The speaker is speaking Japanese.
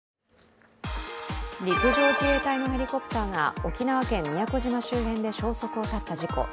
陸上自衛隊のヘリコプターが沖縄県宮古島周辺で消息を絶った事故。